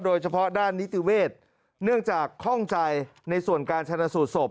โดยเฉพาะด้านนิติเวศเนื่องจากข้องใจในส่วนการชนะสูตรศพ